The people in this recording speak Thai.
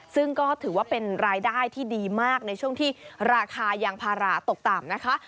ซึ่งก็ถือว่าเป็นรายได้ที่ดีมากในช่วงที่ราคายางพาราตกต่ำนะคะ